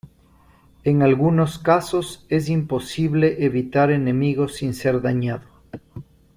En algunos casos, es imposible evitar enemigos sin ser dañado.